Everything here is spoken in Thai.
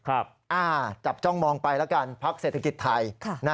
จับจ้องมองไปแล้วกันพักเศรษฐกิจไทย